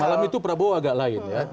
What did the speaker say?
malam itu prabowo agak lain ya